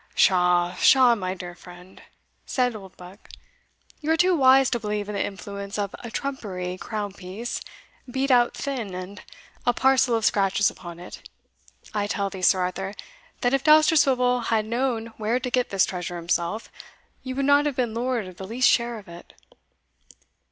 "Pshaw! pshaw! my dear friend," said Oldbuck, "you are too wise to believe in the influence of a trumpery crown piece, beat out thin, and a parcel of scratches upon it. I tell thee, Sir Arthur, that if Dousterswivel had known where to get this treasure himself, you would not have been lord of the least share of it."